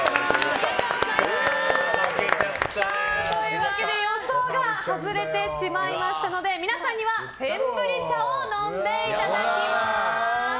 負けちゃったね。というわけで予想が外れてしまいましたので皆さんにはセンブリ茶を飲んでいただきます。